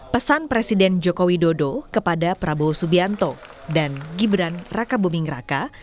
pesan presiden joko widodo kepada prabowo subianto dan gibran raka buming raka